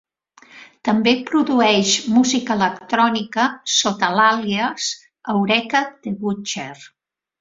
També produeix música electrònica sota l'àlies Eureka the Butcher.